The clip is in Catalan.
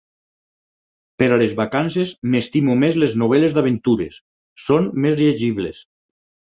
Per a les vacances m'estimo més les novel·les d'aventures, són més llegibles.